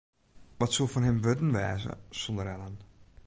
Wat soe fan him wurden wêze sonder Ellen?